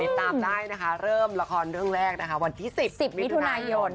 ติดตามได้นะคะเริ่มละครเรื่องแรกนะคะวันที่๑๐๑๐มิถุนายน